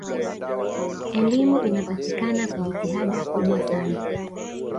elimu inapatikana kwa jitihada kubwa sana